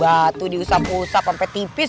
batu diusap usap sampe tipis